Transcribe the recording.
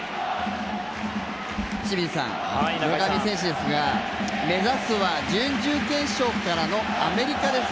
村上選手ですが目指すは準々決勝からのアメリカです。